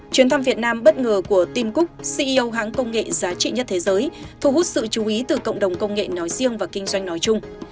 chuyến thăm việt nam bất ngờ của tim cook ceo hãng công nghệ giá trị nhất thế giới thu hút sự chú ý từ cộng đồng công nghệ nói riêng và kinh doanh nói chung